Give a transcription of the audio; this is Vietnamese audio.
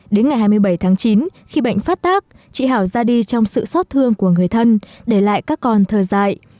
đến ngày hai mươi bảy tháng chín khi bệnh phát tác chị hảo ra đi trong sự xót thương của người thân để lại các con thơ dạy